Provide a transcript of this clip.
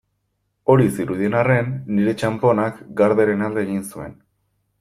Hori zirudien arren, nire txanponak Garderen alde egin zuen.